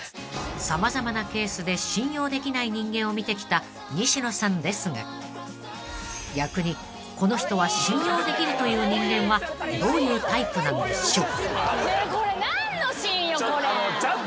［様々なケースで信用できない人間を見てきた西野さんですが逆にこの人は信用できるという人間はどういうタイプなんでしょう］